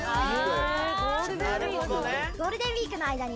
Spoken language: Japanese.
ゴールデンウィークの間に。